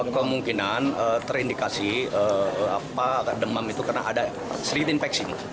kemungkinan terindikasi demam itu karena ada sering infeksi